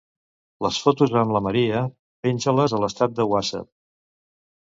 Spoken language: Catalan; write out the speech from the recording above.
Les fotos amb la Maria, penja-les a l'estat de Whatsapp.